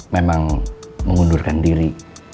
memang mengundurkan diri